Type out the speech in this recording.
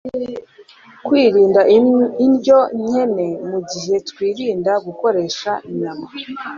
kwirinda indyo nkene mu gihe twirinda gukoresha inyama